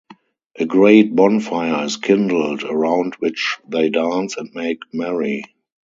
A great bonfire is kindled, around which they dance and make merry.